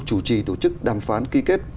chủ trì tổ chức đàm phán ký kết